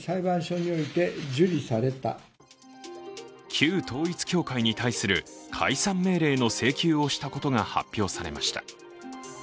旧統一教会に対する解散命令の請求をしたことが発表されました。